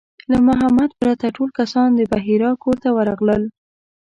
له محمد پرته ټول کسان د بحیرا کور ته ورغلل.